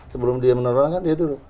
sebelum dia menolong kan dia duduk